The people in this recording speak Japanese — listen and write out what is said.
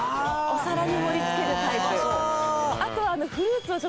お皿に盛り付けるタイプ。